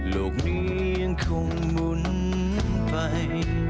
ลูกนี้ยังคงหมุนไป